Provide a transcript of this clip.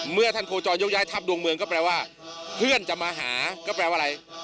เมื่อท่านโคจรยกย้ายทัพดวงเมืองก็แปลว่าเพื่อนจะมาหาก็แปลว่าอะไร